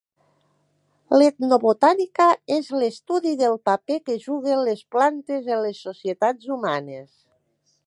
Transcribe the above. L'etnobotànica és l'estudi del paper que juguen les plantes en les societats humanes.